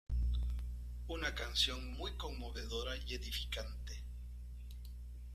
Una canción muy conmovedora y edificante.